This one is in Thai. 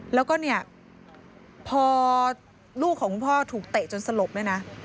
แล้วก็เนี่ยพอลูกของคุณพ่อถูกเตะจนสลบเนี่ยนะ